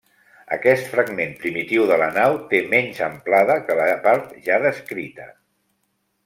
Aquest fragment primitiu de la nau té menys amplada que la part ja descrita.